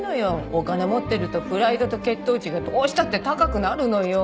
お金持ってるとプライドと血糖値がどうしたって高くなるのよ。